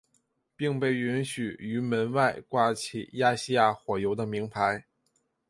并被允许于门外挂起亚细亚火油的铭牌。